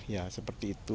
ya seperti itu